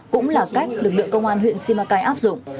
cũng là cách lực lượng công an huyện simacai áp dụng